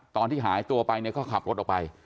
ตอนที่หายตัวไปเนี่ยก็ขับรถออกไป